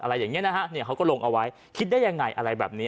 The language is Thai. อะไรอย่างนี้นะฮะเนี่ยเขาก็ลงเอาไว้คิดได้ยังไงอะไรแบบนี้